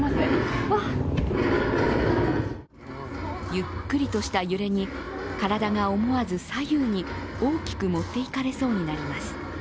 ゆっくりとした揺れに体が思わず左右に大きく持っていかれそうになります。